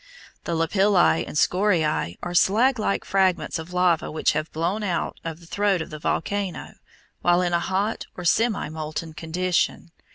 The lapilli and scoriæ are slag like fragments of lava which have been blown out of the throat of the volcano while in a hot or semi molten condition.